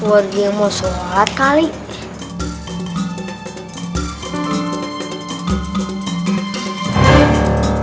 warga yang mau seolah kali ini